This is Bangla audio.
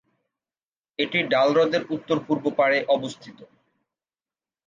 এটি ডাল হ্রদের উত্তর-পূর্ব পাড়ে অবস্থিত।।